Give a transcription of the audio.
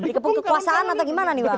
dikepung kekuasaan atau gimana nih bang